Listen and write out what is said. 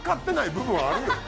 部分あるよ。